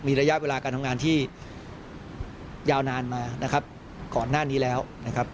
มีระยะเวลาการทำงานที่ยาวนานมานะครับก่อนหน้านี้แล้วนะครับ